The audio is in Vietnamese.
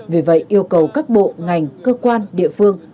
vì vậy yêu cầu các bộ ngành cơ quan địa phương